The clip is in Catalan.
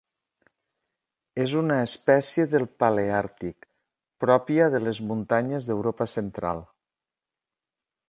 És una espècie del paleàrtic, pròpia de les muntanyes d'Europa Central.